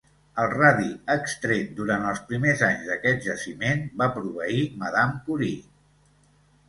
El radi extret durant els primers anys d'aquest jaciment va proveir Madame Curie.